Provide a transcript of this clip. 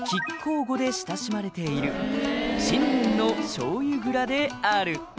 「で親しまれているしょうゆ蔵である」